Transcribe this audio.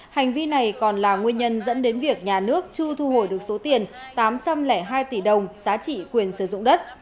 hành vi này còn là nguyên nhân dẫn đến việc nhà nước chưa thu hồi được số tiền tám trăm linh hai tỷ đồng giá trị quyền sử dụng đất